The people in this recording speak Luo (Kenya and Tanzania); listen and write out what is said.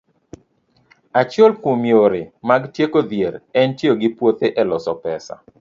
Achiel kuom yore mag tieko dhier en tiyo gi puothe e loso pesa.